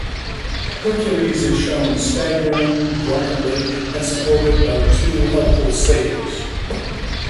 Hercules is shown staggering drunkenly and supported by two helpful satyrs.